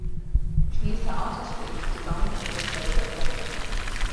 She used her artistry to design and illustrate book jackets.